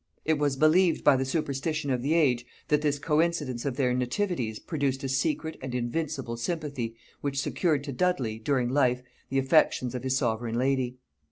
It was believed by the superstition of the age, that this coincidence of their nativities produced a secret and invincible sympathy which secured to Dudley, during life, the affections of his sovereign lady.